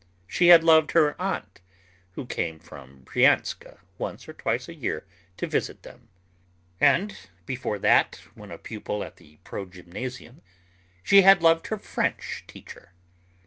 She had loved her aunt, who came from Brianska once or twice a year to visit them. And before that, when a pupil at the progymnasium, she had loved her French teacher.